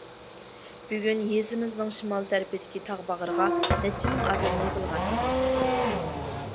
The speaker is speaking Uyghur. بۈگۈن يېزىمىزنىڭ شىمال تەرىپىدىكى تاغ باغرىغا نەچچە مىڭ ئادەم يىغىلغان ئىدى.